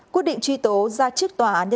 quyết định truy tố ra trước tòa án nhân dân tối cao